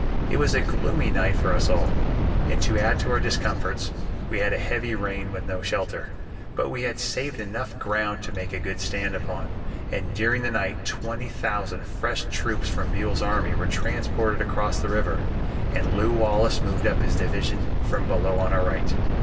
It was a gloomy night for us all, and to add to our discomforts we had a heavy rain with no shelter. But we had saved enough ground to make a stand upon, and during the night twenty thousand fresh troops from Buell's army were transported across the river, and Lew Wallace moved up his division from below on our right.